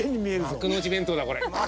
幕の内弁当だこれ。